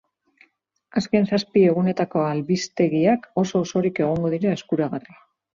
Azken zazpi egunetako albistegiak oso-osorik egongo dira eskuragarri.